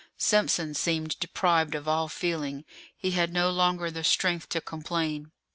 Simpson seemed deprived of all feeling; he had no longer the strength to complain.